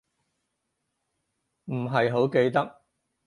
唔係好記得